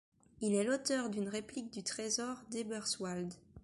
Il est l'auteur d'une réplique du trésor d'Eberswalde.